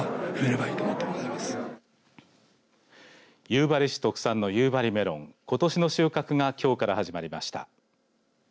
夕張市特産の夕張メロンことしの収穫がきょうから始まりました。